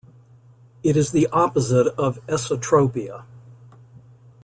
It is the opposite of esotropia.